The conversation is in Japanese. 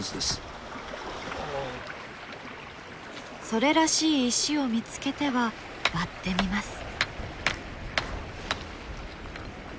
それらしい石を見つけては割ってみます。